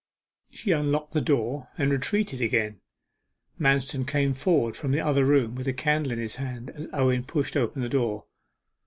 She unlocked the door, and retreated again. Manston came forward from the other room with a candle in his hand, as Owen pushed open the door.